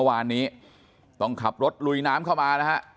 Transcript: วานนี้ต้องขับรถลุยน้ำเข้ามานะฮะ